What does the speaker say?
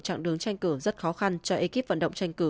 trạng đường tranh cử rất khó khăn cho ekip vận động tranh cử